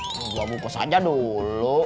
belom bungkus aja dulu